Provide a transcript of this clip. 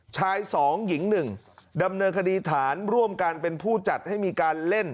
ชาย๒หญิง๑ดำเนินคดีฐานร่วมกันเป็นผู้จัดให้มีการเล่น